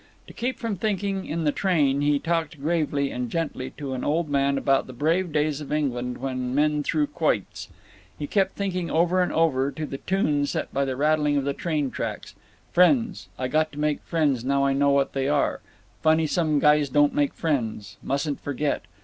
To keep from thinking in the train he talked gravely and gently to an old man about the brave days of England, when men threw quoits. He kept thinking over and over, to the tune set by the rattling of the train trucks: "Friends… I got to make friends, now I know what they are…. Funny some guys don't make friends. Mustn't forget.